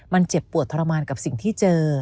มันเจ็บปวดทรมานกับสิ่งที่เจอ